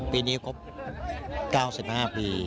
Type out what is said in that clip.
ปีนี้ครบ๙๕ปี